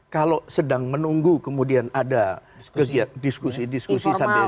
kalau sedang menunggu kemudian ada diskusi diskusi sambil berjalan